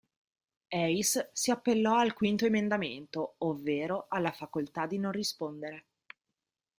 Hays si appellò al V emendamento, ovvero alla facoltà di non rispondere.